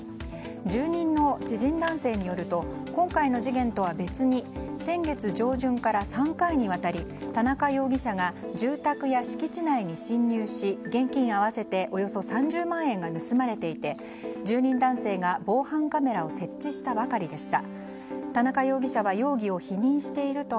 住人の知人男性によると今回の事件とは別に先月上旬から３回にわたり田中容疑者が住宅や敷地内に侵入し現金合わせておよそ３０万円が盗まれていて住人男性が、防犯カメラを設置したばかりでした。